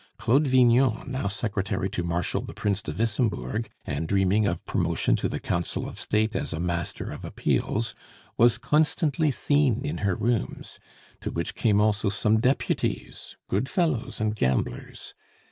Claude Vignon, now secretary to Marshal the Prince de Wissembourg, and dreaming of promotion to the Council of State as a Master of Appeals, was constantly seen in her rooms, to which came also some Deputies good fellows and gamblers.